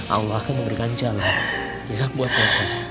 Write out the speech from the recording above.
allah akan memberikan jalan buat ibu